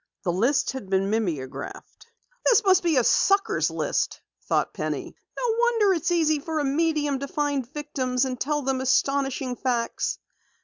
The list had been mimeographed. "This must be a 'sucker' list!" thought Penny. "No wonder it's easy for a medium to find victims and tell them astonishing facts."